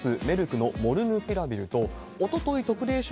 メルクのモルヌピラビルと、おととい特例